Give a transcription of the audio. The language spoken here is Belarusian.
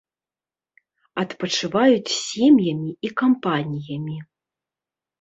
Адпачываюць сем'ямі і кампаніямі.